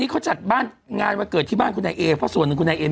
กระโปรงไม่กระโปรงอ่ะ